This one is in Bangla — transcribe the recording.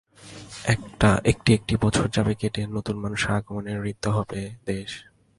একটি একটি বছর যাবে কেটে, নতুন মানুষের আগমনে ঋদ্ধ হবে দেশ।